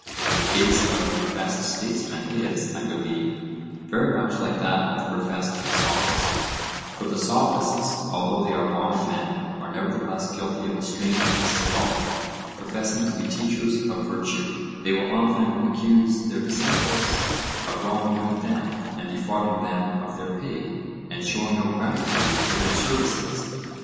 The case of the professed statesman is, I believe, very much like that of the professed sophist; for the sophists, although they are wise men, are nevertheless guilty of a strange piece of folly; professing to be teachers of virtue, they will often accuse their disciples of wronging them, and defrauding them of their pay, and showing no gratitude for their services.